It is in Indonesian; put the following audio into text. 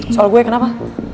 soal gue kenapa